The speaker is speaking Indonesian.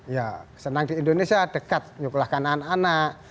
ya senang di indonesia dekat nyukolahkan anak anak